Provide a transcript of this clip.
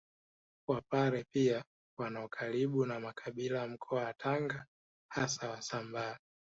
Wapare pia wana ukaribu na makabila ya Mkoa wa Tanga hasa Wasambaa